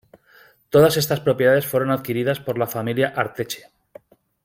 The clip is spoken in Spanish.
Todas estas propiedades fueron adquiridas por la familia Arteche.